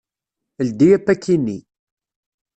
Ldi apaki-nni.